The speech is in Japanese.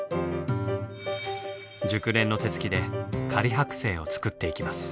熟練の手つきで仮剥製を作っていきます。